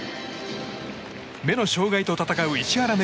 目の障害と闘う石原愛